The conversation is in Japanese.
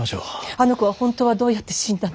あの子は本当はどうやって死んだの。